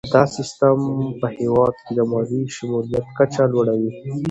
دا سیستم په هیواد کې د مالي شمولیت کچه لوړوي.